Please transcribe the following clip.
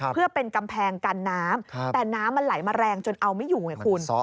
เพื่อเป็นกำแพงกันน้ำแต่น้ำมันไหลมาแรงจนเอาไม่อยู่ไงคุณ